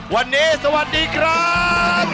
วันนี้สวัสดีครับ